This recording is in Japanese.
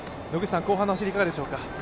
後半の走り、いかがでしょうか？